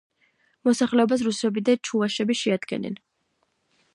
მოსახლეობას რუსები და ჩუვაშები შეადგენენ.